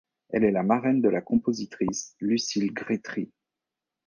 Elle est la marraine de la compositrice Lucile Grétry.